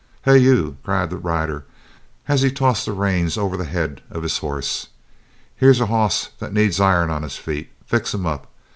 "Hey, you!" called the rider as he tossed the reins over the head of his horse. "Here's a hoss that needs iron on his feet. Fix him up.